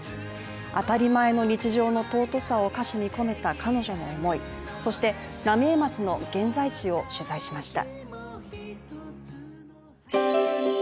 当たり前の日常の尊さを歌詞に込めた彼女の思いそして、浪江町の現在地を取材しました。